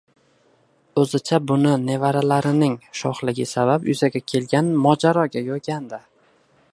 O`zicha buni nevaralarining sho`xligi sabab yuzaga kelgan mojaroga yo`ygandi